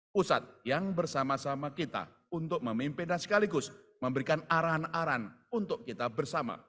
pusat yang bersama sama kita untuk memimpin dan sekaligus memberikan arahan aran untuk kita bersama